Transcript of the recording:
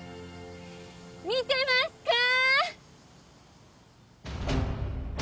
見てますかー？